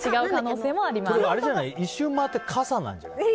１周回って傘なんじゃない？